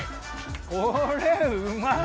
これうまい！